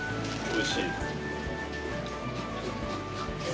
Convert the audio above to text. おいしい。